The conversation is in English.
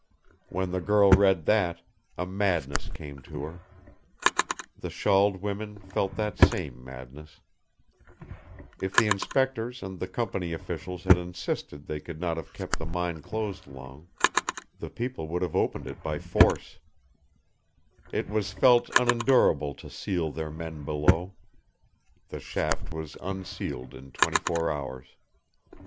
When the girl read that, a madness came on her. The shawled women felt that same madness; if the inspectors and the company officials had insisted they could not have kept the mine closed long the people would have opened it by force; it was felt unendurable to seal their men below; the shaft was unsealed in twenty four hours.